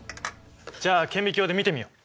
じゃあ顕微鏡で見てみよう。